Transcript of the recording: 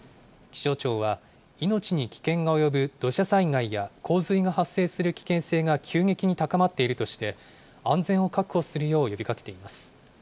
気象庁は、命に危険が及ぶ土砂災害や洪水が発生する危険性が急激に高まっているとして、安全を確保するよう呼びかけています。